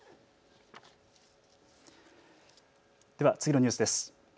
では次のニュースです。